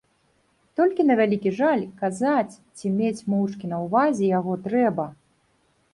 Толькі, на вялікі жаль, казаць ці мець моўчкі на ўвазе яго трэба.